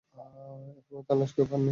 এখনও তার লাশ কেউ পায়নি।